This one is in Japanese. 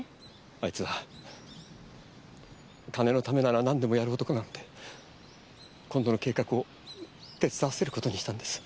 あいつは金のためならなんでもやる男なので今度の計画を手伝わせる事にしたんです。